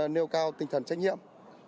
nêu cao tinh thần trách nhiệm